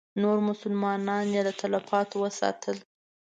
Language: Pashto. نور مسلمانان یې له تلفاتو وساتل.